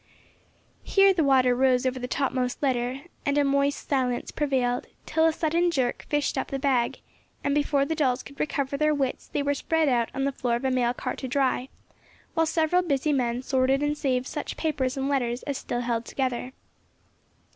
Here the water rose over the topmost letter and a moist silence prevailed till a sudden jerk fished up the bag, and before the dolls could recover their wits they were spread out on the floor of a mail car to dry, while several busy men sorted and saved such papers and letters as still held together.